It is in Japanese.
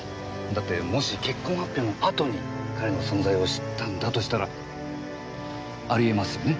だってもし結婚発表のあとに彼の存在を知ったんだとしたらあり得ますよね？